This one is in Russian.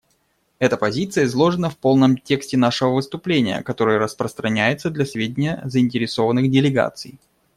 Эта позиция изложена в полном тексте нашего выступления, который распространяется для сведения заинтересованных делегаций.